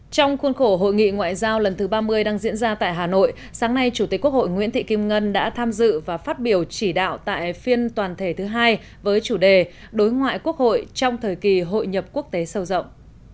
trong khuôn khổ hội nghị ngoại giao lần thứ ba mươi đang diễn ra tại hà nội sáng nay chủ tịch quốc hội nguyễn thị kim ngân đã tham dự và phát biểu chỉ đạo tại phiên toàn thể thứ hai với chủ đề đối ngoại quốc hội trong thời kỳ hội nhập quốc tế sâu rộng